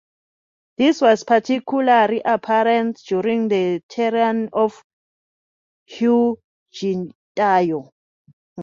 This was particularly apparent during the tenure of Hu Jintao.